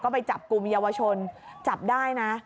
ไปจับกลุ่มเยาวชนจับได้นะ